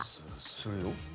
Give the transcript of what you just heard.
するよ。